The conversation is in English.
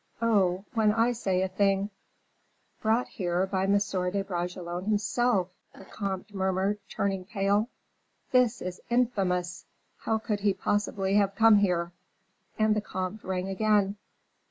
Oh, when I say a thing " "Brought here by M. de Bragelonne himself," the comte murmured, turning pale. "This is infamous! How could he possibly have come here?" And the comte rang again.